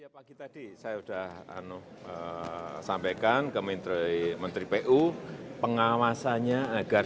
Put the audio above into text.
pagi tadi saya sudah sampaikan ke menteri menteri pu pengawasannya agar